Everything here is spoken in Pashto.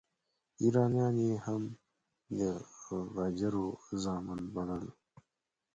ایرانیان یې هم د غجرو زامن بلل.